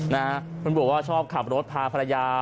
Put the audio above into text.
นะครับบอกว่าใช้ขับรถทราบพละยา